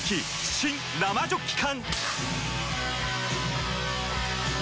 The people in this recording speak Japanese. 新・生ジョッキ缶！